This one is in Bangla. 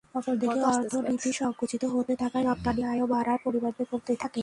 অপর দিকে অর্থনীতি সংকুচিত হতে থাকায় রপ্তানি আয়ও বাড়ার পরিবর্তে কমতেই থাকে।